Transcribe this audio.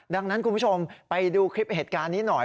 ดังนั้นคุณผู้ชมไปดูคลิปเหตุการณ์นี้หน่อย